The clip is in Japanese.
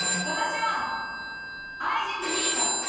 私は愛人でいいから。